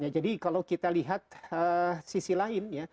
jadi kalau kita lihat sisi lain